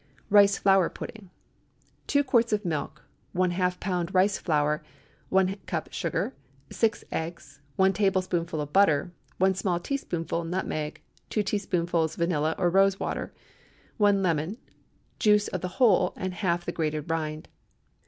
RICE FLOUR PUDDING. 2 quarts of milk. ½ lb. rice flour. 1 cup sugar. 6 eggs. 1 tablespoonful butter. 1 small teaspoonful nutmeg. 2 teaspoonfuls vanilla or rose water. 1 lemon—juice of the whole, and half the grated rind.